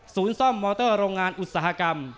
ซ่อมมอเตอร์โรงงานอุตสาหกรรม